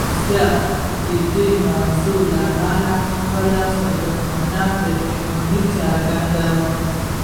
زه د دې موضوع له امله خپله صادقانه پښیماني څرګندوم.